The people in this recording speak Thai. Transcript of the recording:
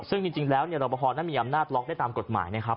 ซึ่งจริงแล้วรอปภนั้นมีอำนาจล็อกได้ตามกฎหมายนะครับ